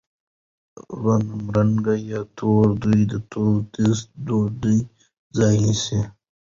غنمرنګه یا توره ډوډۍ د ټوسټ ډوډۍ ځای نیسي.